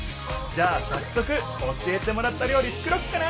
じゃあさっそく教えてもらった料理作ろっかな！